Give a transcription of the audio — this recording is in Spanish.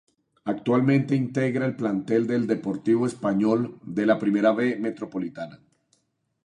Actualmente integra el plantel del Deportivo Español, de la Primera B Metropolitana.